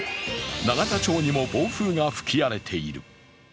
永田町にも暴風が吹き荒れている。